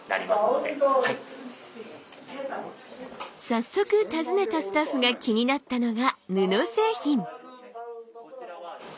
早速訪ねたスタッフが気になったのが布製品。